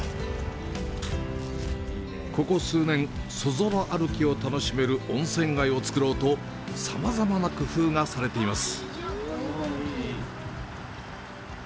ここ数年、そぞろ歩きを楽しめる温泉街をつくろうと、さまざまな工夫がされています。